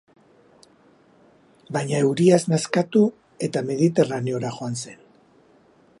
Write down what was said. Baina euriaz nazkatu eta Mediterraneora joan zen.